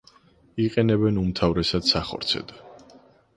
იყენებენ უმთავრესად სახორცედ.